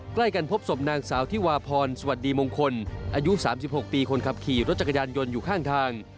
ใกล้กันพบศพนางสาวที่วาพรสวัสดีมงคลอายุ๓๖ปีคนขับขี่รถจักรยานยนต์อยู่ข้างทาง